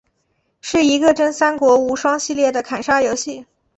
是一个真三国无双系列的砍杀游戏。